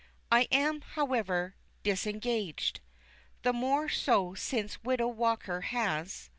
I am, however, "disengaged;" the more so since Widow Walker has